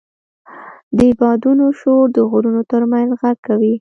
د بادونو شور د غرونو تر منځ غږ کوي.